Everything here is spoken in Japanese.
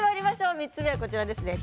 ３つ目はこちらです。